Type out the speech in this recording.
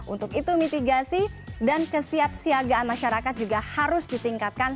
untuk itu mitigasi dan kesiapsiagaan masyarakat juga harus ditingkatkan